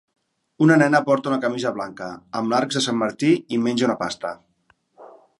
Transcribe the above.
Una nena porta una camisa blanca amb arcs de Sant Martí i menja una pasta.